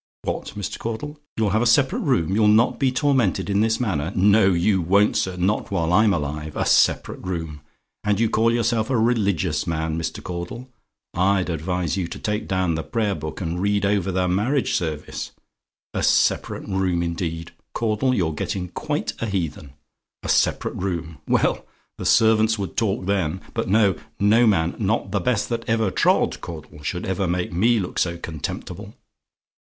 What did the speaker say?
"What, Mr. Caudle? "YOU'LL HAVE A SEPARATE ROOM YOU'LL NOT BE TORMENTED IN THIS MANNER? "No, you won't, sir not while I'm alive. A separate room! And you call yourself a religious man, Mr. Caudle. I'd advise you to take down the Prayer Book, and read over the Marriage Service. A separate room, indeed! Caudle, you're getting quite a heathen. A separate room! Well, the servants would talk then! But no: no man not the best that ever trod, Caudle should ever make me look so contemptible.